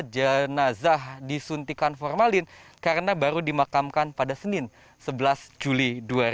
jenazah disuntikan formalin karena baru dimakamkan pada senin sebelas juli dua ribu dua puluh